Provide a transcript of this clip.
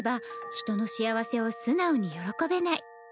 人の幸せを素直に喜べない